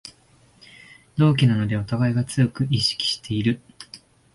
同期なのでおたがい強く意識してる